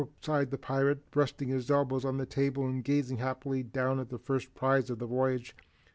sighed the pirate, resting his elbows on the table and gazing happily down at the first prize of the voyage.